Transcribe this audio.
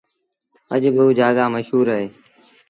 اڄ با اُجآڳآ مشهور اهي